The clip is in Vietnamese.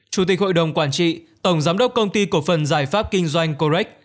chủ tịch hội đồng quản trị tổng giám đốc công ty cổ phần giải pháp kinh doanh corec